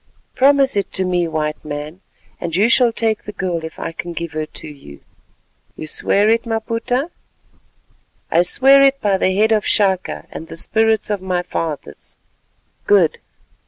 Promise it to me, White Man, and you shall take the girl if I can give her to you." "You swear it, Maputa?" "I swear it by the head of Chaka, and the spirits of my fathers." "Good.